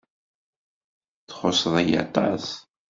Txuṣṣeḍ-iyi aṭas.